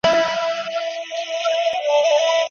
« ګیدړ چي مخ پر ښار ځغلي راغلی یې اجل دی»